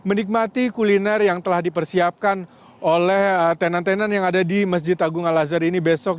dan menikmati kuliner yang telah dipersiapkan oleh tenan tenan yang ada di masjid agung al azhar ini besok